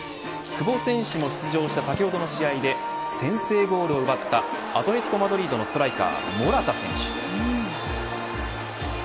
久保選手も出場した先ほどの試合で先制ゴールを奪ったアトレティコ・マドリードのストライカーモラタ選手。